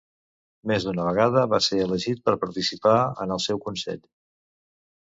Més d'una vegada, va ser elegit per participar en el seu consell.